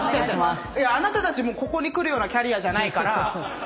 あなたたちここに来るようなキャリアじゃないから大丈夫よ。